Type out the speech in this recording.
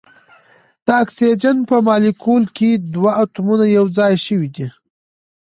د اکسیجن په مالیکول کې دوه اتومونه یو ځای شوي دي.